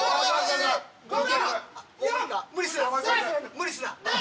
無理すな。